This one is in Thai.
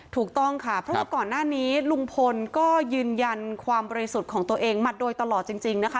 ถูกต้องค่ะเพราะว่าก่อนหน้านี้ลุงพลก็ยืนยันความบริสุทธิ์ของตัวเองมาโดยตลอดจริงนะคะ